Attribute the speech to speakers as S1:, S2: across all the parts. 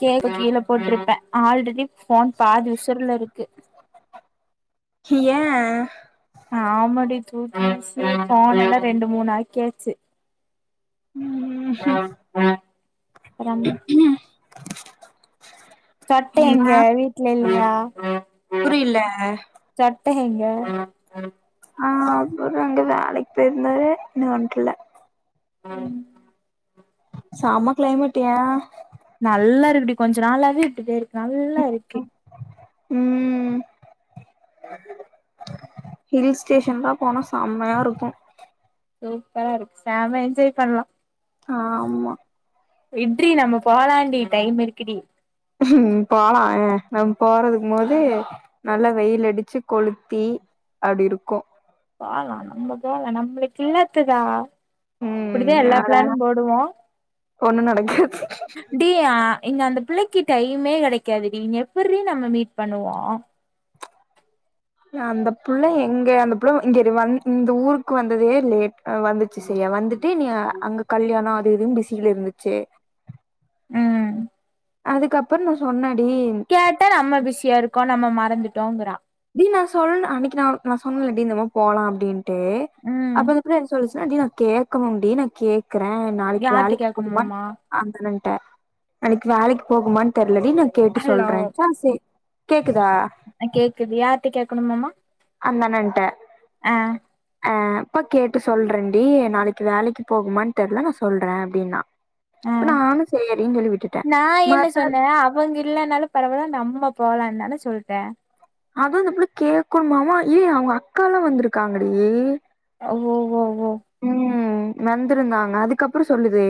S1: K கீழே போட்ருப்பே already phone பாதி உசுர்ல இருக்கு
S2: ஏ
S1: ஆமாடி தூக்கி [inaudible] ஃபோனல்ல ரெண்டு மூணா ஆக்யாச்சு
S2: ம்
S1: அப்பறம் சட்ட
S2: என்ன
S1: எங்க வீட்ல இல்லையா
S2: புரியில்ல
S1: சட்ட எங்க
S2: ஆ அப்புற வந்து வேலக்கு போயிருந்தாரு இன்னு வந்துட்டுல
S1: ம்
S2: செம கிளைமேட்யா
S1: நல்லா இருக்குடி கொஞ்ச நாளாவே இப்டி தா ருக்கு நல்லாரிக்கு
S2: ம் ஹில்ஸ் ஸ்டேஷன்லா போனா செம்மையாருக்கு
S1: சூப்பரா இருக்கு செம என்ஜாய் பண்லா
S2: ஆமா
S1: இன்றி நம்ம போலாண்டி டைம் இருக்குடி
S2: போலா நம் போறதுக்கு முன்னாடி நல்லா வெயில் அடிச்சு கொளுத்தி அப்டி இருக்கு
S1: போலா நம்ம போலா நம்மளுக்கு இல்லாத்ததா இப்படிதா
S2: ம்
S1: எல்லா
S2: ஆனா
S1: ப்ளனு போடுவோ
S2: ஒண்ணு நடக்காது
S1: டி ஆ இங்க அந்த பிள்ளைக்கு டைமே கெடைக்காது டி எப்பிட்ரி நம்ம மீட் பண்ணுவோ
S2: அந்த புள்ள எங்க அந்த பிள்ள இங்க வ இந்த ஊருக்கு வந்ததே லேட் வந்து சி செய்ய வந்துட்டு நீ அங்க கல்யாணோ அது இதுன் பிஸில இருந்துச்சு
S1: ம்
S2: அதுக்கப்புறோ நா சொன்னடி
S1: கேட்டா நம்ம பிஸியா இருக்கோ நம்ம மறந்துட்டோங்கிறா
S2: டி நா சொல்ல அன்னைக்கு நா நா சொன்னல்ல டி இந்த மா போலா அப்டின்ட்டு
S1: ம்
S2: அப்ப அந்த பிள்ள என்ட்ட சொல்லுச்சு இல்லடி நா கேக்கனு டி நா கேக்குற நாளைக்கு
S1: யார்ட்ட
S2: வேலைக்கு போகுமா
S1: கேக்கணுமாமா
S2: அந்த அண்ணன்ட்ட அன்னிக்கு வேலைக்கு போகுமான் தெர்லடி நா கேட்டு
S1: ஹலோ
S2: சொல்ற ஆ சே கேக்குதா
S1: ஆ கேக்குது யார்ட்ட கேக்கணுமாம்மா
S2: அந்தண்ணன்ட்ட அ அப்ப கேட்டு சொல்றன்டி நாளைக்கி வேலைக்கி போகுமான் தெர்ல நா சொல்ற அப்டின்னா
S1: ஆ
S2: நானு சேரின் சொல்லி விட்டுட்ட
S1: நா என்ன
S2: மறுநாள்
S1: சொன்னே அவங்க இல்லனாலு பரவால்ல நம்ம போலான் தான சொல்ட்ட
S2: அது அந்த புள்ள கேக்குமாமா ஏய் அவங்க அக்காலா வந்துருக்காங்கடி
S1: ஓ ஓ ஓ
S2: ம் வந்திருந்தாங்க அதுக்கப்றோ சொல்லுது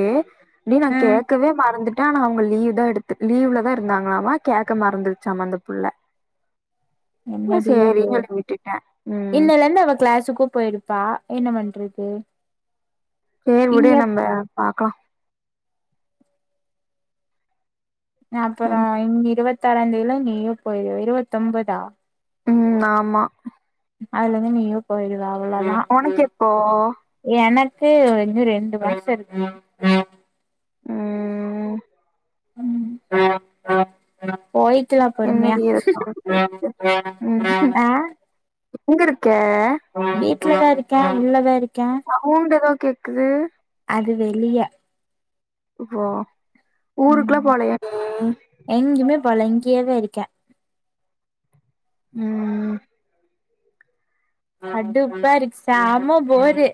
S2: டேய் நா
S1: ம்
S2: கேக்கவே மறந்து ட்ட ஆனா அவங்க லீவ் தா எடுத்து லீவ்ல தா இருந்தாங்களாமா கக்க மறந்துருச்சாம அந்த புள்ள நா
S1: என்னடி இது
S2: சேரின்னு சொல்லி விட்டுட்டே ம்
S1: இன்னலருந்து அவ க்ளஸுக்கு போய்ரு பா என்ன பண்றது
S2: சேரி உடு
S1: இங்க
S2: நம்ம பாக்கலா
S1: நா அப்பறோ
S2: ம்
S1: இங் இருவத்தாறாந்தேதிலு நீயு போயிருவ இருவத்தொம்பதா
S2: ம் ஆமா
S1: அதுலருந்து நீயு போயிருவ அவளோதா
S2: உனக்கு எப்போ
S1: எனக்கு இன்னு ரெண்டு வயசு இருக்கு
S2: ம்
S1: ம் போய்க்கலா பொறுமையா
S2: என்னடி ஏதோ சவுண்டு ம் ம்‌
S1: ஆ
S2: எங்க இருக்க
S1: வீட்லதா இருக்க உள்ளதா இருக்க
S2: சௌண்ட் எதோ கேக்குது
S1: அது வெளிய
S2: ஓ
S1: ம்
S2: ஊருக்கெல்லா போலயா நீ
S1: எங்கயுமே போல இங்கயே த இருக்க
S2: ம்
S1: கடுப்பா இருக்கு செம போரு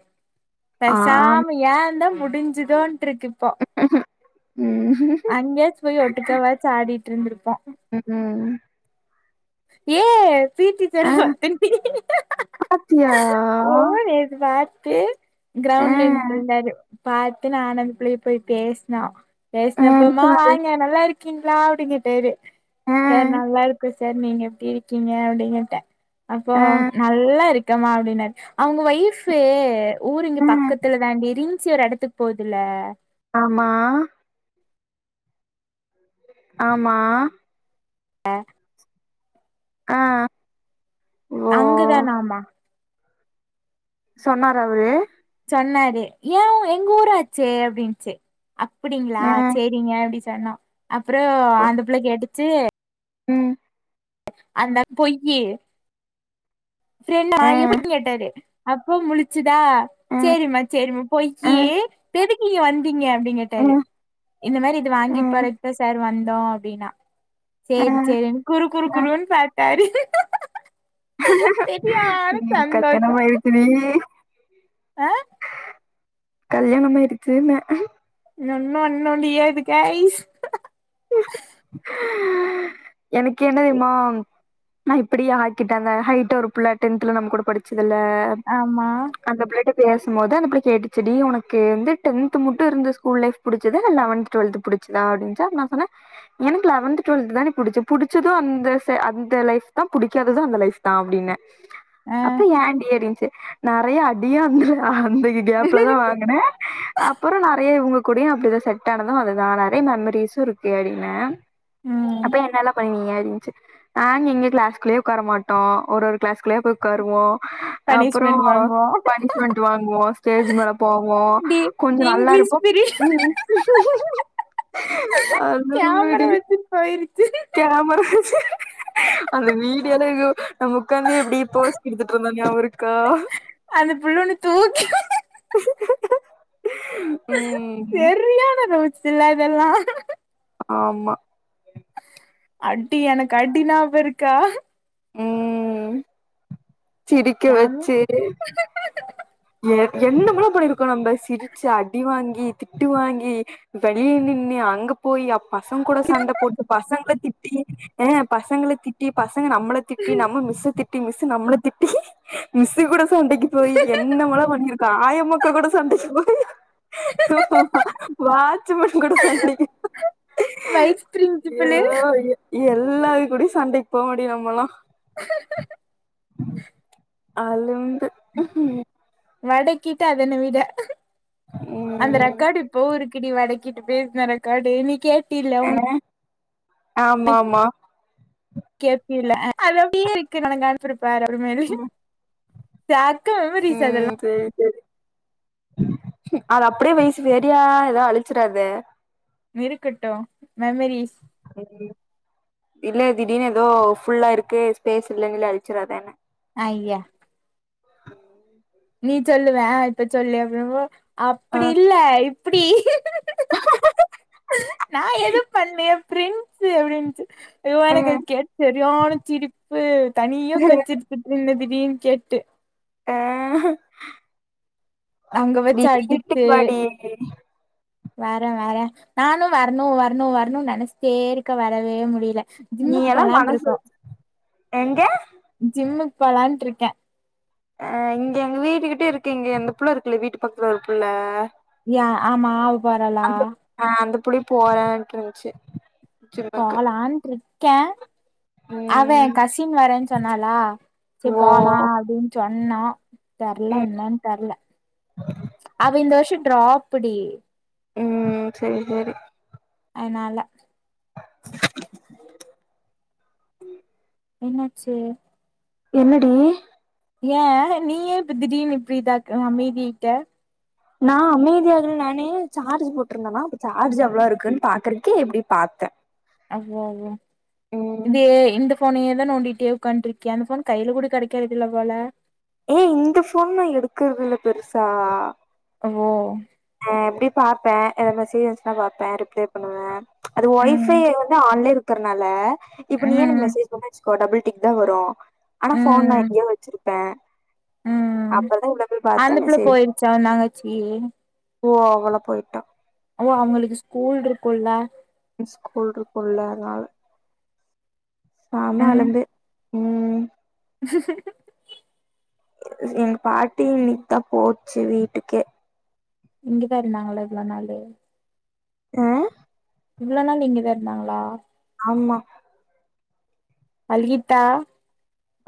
S2: ஆம்
S1: பேசாம ஏன்டா முடிஞ்சு ட்டோன்ட்ருக்கு இப்போ
S2: ம் ம்
S1: அங்கயாச்சு போய் ஒட்டுக்காவாச்சி ஆடிட்டு இருந்திருப்போ
S2: ம்
S1: ஏ
S2: ஆ
S1: [unintelligible]
S2: பாத்தியா
S1: ஓ நேத்து பாத்து
S2: ஆ
S1: க்ரவுண்ட்ல நின்னுட்டு இருந்தாரு பாத்து நான் அந்த பிள்ளயு போய் பேசுனோ
S2: ஆ என்ன
S1: பேசினப்போமா
S2: சொன்னாரு
S1: வாங்க நல்லாருக்கீங்ளா அப்டிங்கேட்டாரு
S2: ஆ
S1: சார் நல்லாருக்கோ சார் நீங்க எப்டி இருக்கீங்க அப்டினுட்டே அப்போ
S2: ஆ
S1: நல்லா இருக் கமா அப்டின்னாரு அவங்க ஒய்ஃப்பு ஊரு இங்க
S2: ஆ
S1: பக்கத்துல தாண்டி ரின்ஸ்சி ஒரு எடத்துக்கு போகுதுல்ல
S2: ஆமா ஆமா
S1: அ
S2: ஆ ஓ
S1: அங்கதானாமா
S2: சொன்னாரா அவுரு
S1: சொன்னாரு ஏ எங்க ஊராச்சே அப்டின்ச்சு அப்பிடிங்ளா
S2: ஆ
S1: சே ரிங்க அப்டி சொன்னோ அப்றோ
S2: ஓ
S1: அந்த பிள்ள கேட்டுச்சு
S2: ம்
S1: அந்த பொய்யி ஃப்ரெண்டா
S2: ஆ
S1: எப்டின்னு கேட்டாரு அப்போ முழிச் சிதா
S2: ஆ
S1: சேரிமா சேரிமா
S2: ஆ ஆ
S1: பொய்யி இப்ப எதுக்கு இங்க வந்தீங்க அப்டின் கேட்டாரு இந்த மாரி இது
S2: ஆ
S1: வாங்கிட் போறக் தா சார் வந்தோ அப்டின்னா
S2: ஆ
S1: சேரி சேரின் குறு குறு
S2: ஆ
S1: குறுன் பாத்தாரு
S2: ம்
S1: சந்தோஷோ
S2: கல்யாணம் ஆயிருக்குடி
S1: ஆ
S2: கல்யாணமாயிருச்சுன்னே
S1: இன்னொன்னு ஒன்னு டியர் வித் கேரிஸ்
S2: எனக் என்ன தெரிமா மா இப்பிடியே ஆக்கிட்டாங்க ஹைட்டா ஒரு புள்ள டென்த்துல நம்ம கூட படிச்சதுல்ல
S1: ஆமா
S2: அந்த பிள்ளைட்ட பேசும்போது அந்த பிள்ள கேட்டுச்சுடி உனக்கு வந்து டென்த்து மட்டு இருந்த ஸ்கூல் லைஃப் புடிச்சதா இல்ல லெவன்த்து டொல்த்து புடிச்சதா அப்டின்ச்சா நா சொன்ன எனக்கு லெவன்த்து, டொல்த்து தான புடிச்சத் புடிச்சது அந்த ஃபே அந்த லைஃப் தா புடிக்காதது அந்த லைஃப் தா அப்டின்னே
S1: ஆ
S2: அப்ப ஏன்டி அப்டின்ச்சி நெறையா அடியு அந்த ஆ அந்த இது கேப் எல்லா வாங்குனே
S1: ம்
S2: அப்பறோ நெறைய இவங்க கூடயு அப்டிதா செட் ஆனது அதுதா நெறையா மெம்ரீஸ்சு இருக்கு அப்டின்னே அப்ப என்னல்லா பண்ணீய அப்டின்ச்சு நாங்க இங்க கிளாஸ்குள்ளயே உக்கார மாட்டோ ஒரு ஒரு கிளாஸ்குள்ளயா போய் உக்காருவோ அப்பறோ
S1: பனிஷ்மெண்ட் வாங்குவோ
S2: பனிஷ்மெண்ட் வாங்குவோ ஸ்டேஜ் மேல போவோ
S1: டி
S2: கொஞ்ச
S1: இங்கிலீஷ்
S2: நல்லாருப்போ
S1: பீரியட்
S2: ம்
S1: கேமரா
S2: அழும்படி
S1: வெச்சுட் போயிருச்
S2: கேமரா வெச்சு அந்த வீடியோல எங்யோ நம்ம உக்காந்து எப்டி போஸ் குடுத்துட்ருந்தோ ஞாபோ இருக்கா
S1: அந்த புல் ஒன்னு தூக்கி
S2: ம்
S1: செரியான நோட்ஸ் இல்ல அதெல்லா
S2: அ ஆமா
S1: அடி எனக் அடி ஞாபோ இருக்கா
S2: சிடிக்க
S1: செம
S2: வெச்சு எ என்னமெல்லா பண்ணிருக்கோ நம்ப சிரிச்சு அடி வாங்கி திட்டு வாங்கி வெளிய நின்னு அங்க போயி அ பசங் கூட சண்ட போட்டு பசங்கள திட் டி அ பசங்கள திட்டி பசங்க நம்மள திட்டி நம்ம மிஸ்ச திட்டி மிஸ்ஸ நம்மள திட்டி மிஸ்சு கூட சண்டைக்கு போய் எண்ணமல்லா பண்ணிருக்கோ ஆயம்மக்கா கூட சண்டைக்கு போயி வாட்ச்சு மேன் கூட சண்டைக்கு
S1: வைஸ்
S2: அய்யோ
S1: பிரின்சிபலு
S2: அய்யோ எல்லார் கூடயு சண்டக்கி போ முடியு நம்மல்லா அலும்பு
S1: வடக்கிட்ட அதென்ன விட அந்த
S2: ம்
S1: ரெக்கார்டு இப்பவு இரு க்கிடி வடக்கிட்டு பேசனா ரெகார்ட்டு நீ கேட்டில்ல உன்
S2: ஆமாமா
S1: கேப்பியல்ல அது அப்டியே இருக்கு நா உனக்கு அனுப்புற பாரு அப்புறம் ஏன் அப்றமேல்
S2: ம்
S1: [unintelligible]
S2: ம் சேரி சேரி அத அப்டியே வை செரியா எதா அழிச்சிறாத
S1: இருக்கட்டு மெமரீஸ்
S2: இல்ல திடீனு எதோ ஃபுல்லா இருக்கு ஸ்பேஸ் இல்லன்னு அழிச்சிராதன்ன
S1: ஐய்ய நீ சொல்லுவ அ இப்ப சொல்லு அப்டின்போ
S2: ஆ
S1: அப்டி இல்ல இப்டி நா எதுவு பண்ணல என் ஃப்ரெண்ட்ஸு அப்டின்னுச்சு அதுவா
S2: ஆ
S1: எனக்கு அது கேட்டு செரியான சிரிப்பு தனியா உக்காந்து சிரிச்சிட்டு இருந்த திடீனு கேட்டு
S2: அ
S1: அங்க வெச்சு அடிச்சு
S2: வீட்டுக்கு வாடி
S1: வேற வேற நானு வரணு வரணு வரணுன்னு நெனைச்சிட்டே இருக்க வரவே முடில
S2: நீ எல்லா மனசு வெ எங்க
S1: ஜிம்க்கு போலான்டிருக்க
S2: அ இங்க எங்க வீட்டுக்கிட்ட இருக்கு இங்க அந்த புள்ள இருக்கல்ல வீட்டு பக்கத்துல ஒரு புள்ள
S1: யா ஆமா அவ போராலா
S2: அ அந்த புள்ளயு போறன்ட்டு இருந்ச்சு
S1: போலான்ட்ருக்கேன் அவ
S2: ம்
S1: என் கசின் வரன்னு சொன்னாலா செ
S2: ஓ
S1: போலா அப்டின்னு சொன்னோ தெர்ல
S2: ம்
S1: என்னன்னு தெர்ல அவ இந்த வருஷோ ட்ராப்பு டி
S2: ம் செரி செரி
S1: அனால என்னாச்சு
S2: என்னடி
S1: ஏன் நீ யே இப்ப திடீனு இப்டிதாக்கு அமைதி ஆயிட்ட
S2: நா அமைதியாகல நானு சார்ஜ் போட்டிருந்தனா அப்ப சார்ஜ் எவ்ளோ இருக்குன்னு பாக்கறக்கு இப்டி பாத்த
S1: அதா அதா இதே இந்த ஃபோனயேதா நோண்டிட்டே உக்காண்ட்டிருக்க அந்த ஃபோன் கைல கூட கெடைக்கறதில்ல போல
S2: ஏ இந்த ஃபோன நா எடுக்கறதில்ல பெருசா
S1: அவோ
S2: அ எப்டி பாப்ப எதா மெசேஜ் வந்துச்சுனா பாப்ப ரிப்ளை பண்ணுவ அது ஒய்
S1: ம்
S2: ஃபை வந்து ஆன்லே இருக்கறனால இப்ப நீயே எனக்
S1: ம்
S2: மெசேஜ் பண்ண வெச்சுகோ டபிள் டிக்தா வரு ஆனா ஃபோன நா
S1: ம்
S2: எங்யோ வெச்சிருப்ப
S1: ம் அந்தப்புள்ள போயிருச்சா உன் தங்கச்சி
S2: போ அவளா போய்ட்டா
S1: ஓ அவங்களுக்கு ஸ்கூல் இருக்குல்ல
S2: ஸ்கூல் இருக்குல்ல அதுனால சாம
S1: ம்
S2: அலந்து ம் எங்க பாட்டி இன்னிக் தா போச்சு வீட்டுக்கே
S1: இங்கதா இருந்தாங்களா இவ்ளோ நாளு
S2: ஆ
S1: இவ்ளோ நாள் இங்கதா இருந்தாங்களா
S2: ஆமா
S1: அழுகிட்ட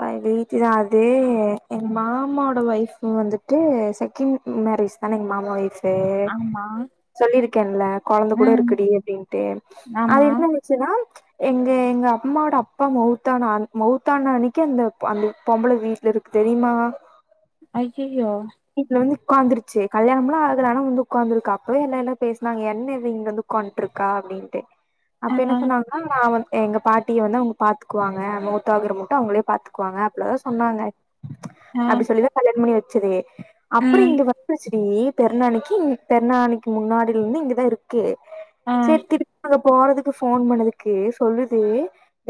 S2: [unintelligible] எங்க மாமாவோட வய்ஃப் வந்துட்டு செகிண் மேரேஜ் தான எங்க மாமா வைஃப் தே
S1: ஆமா
S2: சொல்லிருக்கேன்ல கொழந்த கூட
S1: ம்
S2: இருக்குடி அப்டின்ட்டு அது
S1: ஆமா
S2: என்னது ச்சினா எங்க எங்க அம்மோட அப்பா மவுத்தானா அ மவுத்தானா அன்னிக் கெந்தப் அந்த பொம்பள வீட்ல இருக் தெரியுமா
S1: அய்யயோ
S2: வீட்ல வந்து உக்காந்துருச்சு கல்யாணம்ல ஆகல ஆன வந்து உக்காந்திருக்கா அப்பவே என்ன என்ன பேசனாங்க என்ன இது இங் வந்து உகான்ட்ருக்கா அப்டின்ட்டு அப்ப
S1: ஆ
S2: என்ன சொன்னாங்க ஆ நா வந் எங்க பாட்டிய வந்து அவுங்க பாத்துக்குவாங்க மூத்தாகுற முட்டு அவுங்களே பாத்துக்குவாங்க அப்பளதா சொன்னாங்க
S1: ஆ
S2: அப்டி சொல்லிதா கல்யாண பணி வெச்சதே அபறோ
S1: ம்
S2: இங்க வந்துருச்சிடி பெர்னனிக்கி இங் பெர்னாலைக்கு முன்னாடில இருந்து இங்கதா இருக்கே
S1: ஆ
S2: செரி திரிப் அங்க போறதுக் இங்கு ஃபோன் பண்ணதுக்கு சொல்லுது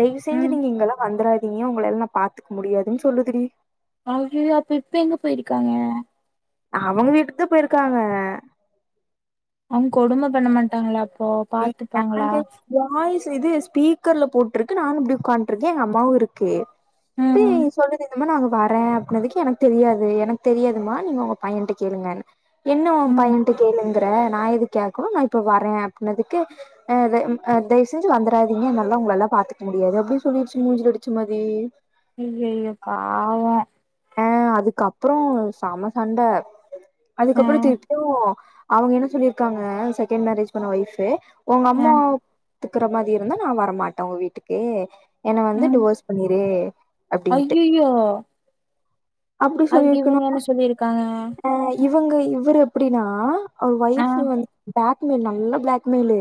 S2: தயவு செஞ்சு
S1: ம்
S2: நீங்க இங்கெல்லா வந்துராத் னியு உங்களல்ல நா பாத்க் முடியாதுன்னு சொல்லுதுடி
S1: அய்யய்யோ அப்ப இப்ப எங்க போய்ருக்காங்க
S2: அவங்க வீட்டுக்கு தா போய்ருக்காங்க
S1: அங் கொடும பண்ண மாட்டாங்களா அப்போ பாத்துப்பாங்களா
S2: [inaudible] வாய்ஸ் இது ஸ்பீக்கர்ல போட்ருக்கு நானு இப்டி உக்காண்ட்ருக்கே எங் அம்மாவு இ ருக்கே பீ
S1: ம்
S2: சொல்லுது மா நாங்க வரே அப்டினதுக்கு எனக்கு தெரியாது எனக்கு தெரியாதுமா நீங்க உங்க பையன்ட்ட கேளுங்கன் என்ன உன்
S1: ம்
S2: பையன்ட்ட கேளுங்கற நாயதுக் கேக்கணு நா இப்போ வறே அப்பினதுக்கு அது ம் அ தயவு செஞ்சு வந்துராதீங்க என்னல்லா உங்களல்லா பாத்துக்க முடியாது அப்டி சொல்லிடுச்சு மூஞ்சு அடிச்ச மதி
S1: அயய்யோ பாவோ
S2: அ அதுக்கப்றோ சம சண்ட
S1: ஆ
S2: அதுக்கப்புற திருப்புயு அவுங்க என்ன சொல்லிருக்காங்க செகண்ட் மேரேஜ் பண்ண ஒய்ஃபு உங்க
S1: ஆ
S2: அம்மாவ் பத்துக்குற மாதி இருந்தா நா வரமாட்ட உங்க வீட்டுக்கு என்ன வந்து டிவோஸ் பண்ணிரு அப்டின்ட்டு
S1: அய்யய்யோ
S2: அப்டி சொல்லியிருக்கணு
S1: என்ன சொல்லிருக்காங்க
S2: அ இவங்க இவ்ரு எப்டின்னா அவ்
S1: ஆ
S2: வயஃபு வந் பாக்மெயில் நல்ல ப்ளாக்மெய்லு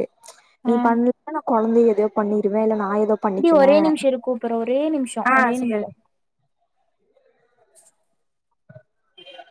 S2: நீ
S1: ஆ
S2: பண்ணிப்ப நா கொழந்தைய எதையோ பண்ணிருவே இல்ல நா எதோ
S1: இப்டி
S2: பண்ணிக்குவே
S1: ஒரே நிம்ஷோ இரு கூப்புறே ஒரே நிம்ஷோ
S2: ஆ
S1: ஒரே
S2: சேரி
S1: நிம்ஷோ